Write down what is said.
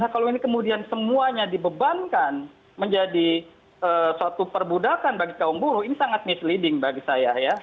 kalau ini kemudian semuanya dibebankan menjadi suatu perbudakan bagi kaum buruh ini sangat misleading bagi saya ya